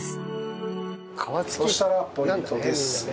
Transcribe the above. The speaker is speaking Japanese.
そしたらポイントです。